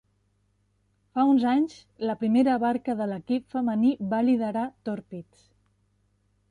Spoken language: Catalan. Fa uns anys, la primera barca de l'equip femení va liderar Torpids.